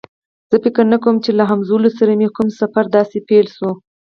زه فکر نه کوم چې له هولمز سره مې کوم سفر داسې پیل شو